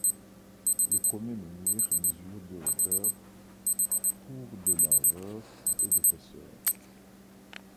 Le premier menhir mesure de hauteur pour de largeur et d'épaisseur.